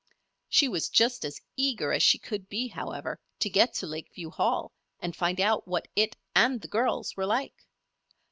She was just as eager as she could be, however, to get to Lakeview Hall, and find out what it and the girls were like.